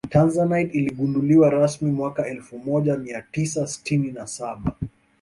tanzanite iligunduliwa rasmi mwaka elfu moja mia tisa sitini na saba